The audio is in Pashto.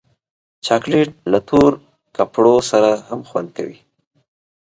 چاکلېټ له تور کپړو سره هم خوند کوي.